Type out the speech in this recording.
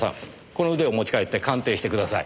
この腕を持ち帰って鑑定してください。